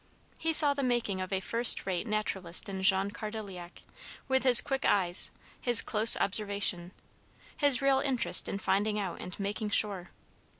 He saw the making of a first rate naturalist in Jean Cardilliac, with his quick eyes, his close observation, his real interest in finding out and making sure.